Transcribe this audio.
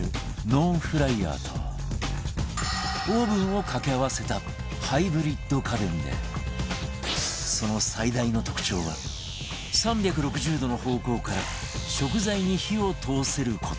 ノンフライヤーとオーブンをかけ合わせたハイブリッド家電でその最大の特徴は３６０度の方向から食材に火を通せる事